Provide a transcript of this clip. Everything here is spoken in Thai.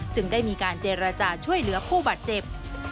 ได้มีการเจรจาช่วยเหลือผู้บาดเจ็บ